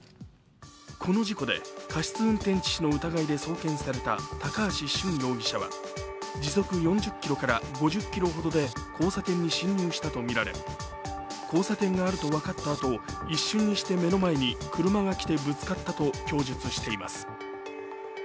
この事故で、過失運転致死の疑いで送検された高橋俊容疑者は時速４０キロから５０キロほどで交差点に進入したとみられ、交差点があると分かった後、一瞬にして目の前に車が来てぶつかったと供述しています。